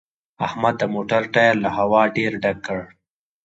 احمد د موټر ټایر له هوا ډېر ډک کړ